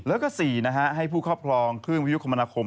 แล้วก็๔ให้ผู้ครอบครองเครื่องวิยุคมนาคม